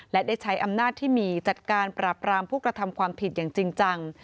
และได้ใช้อำนาจที่มีจัดการปราบรามผู้กระทำความผิดอย่างจริงจัง